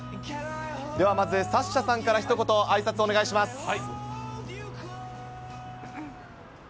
ではまず、サッシャさんからひと言、あいさつをお願いします。